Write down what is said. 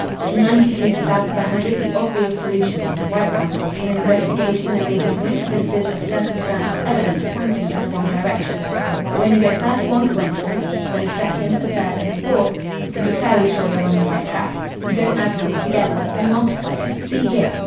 In ninety cases out of a hundred the obvious solution is the right one. In an investigation there may be coincidences of circumstantial evidence pointing in the wrong direction. But when you get first one coincidence, then a second, a third, and a fourth, you can be fairly sure you're on the right track. You don't add proof together. You multiply it. See here."